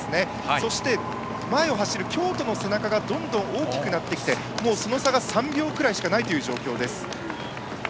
そして、前を走る京都の背中がどんどん大きくなってきてその差が３秒くらいしかないという状況です。